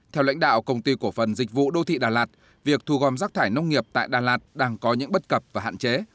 theo lãnh đạo công ty cổ phần dịch vụ đô thị đà lạt việc thu gom rác thải nông nghiệp tại đà lạt đang có những bất cập và hạn chế